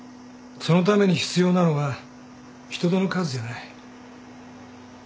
そのために必要なのは人手の数じゃない。